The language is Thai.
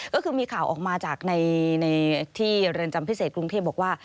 ก็คือมีข่าวออกมาจากในที่เรือนจำพิเศษกรุงเทพบอกว่า